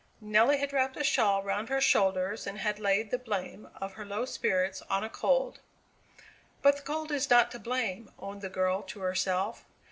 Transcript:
Nelly had wrapped a shawl round her shoulders, and had laid the blame of her low spirits on a cold. "But the cold is not to blame," owned the girl to herself.